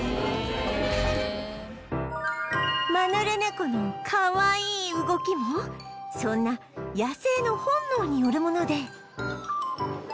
マヌルネコのかわいい動きもそんな野生の本能によるもので